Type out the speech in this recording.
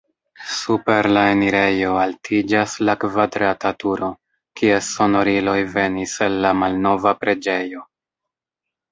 Super la enirejo altiĝas la kvadrata turo, kies sonoriloj venis el la malnova preĝejo.